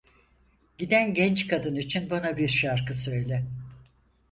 Giden genç kadın için bana bir şarkı söyle!